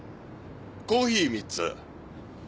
コーヒー３つ。